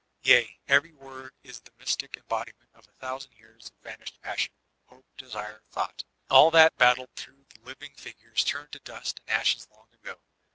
Yea, every word is the mjrstic embodiment of a thousand years of vanished passion, hope, desire, thought — all that battled through jSo VOLTAiaiNE DB ClEYBB the living figures turned to dust and ashes long ago.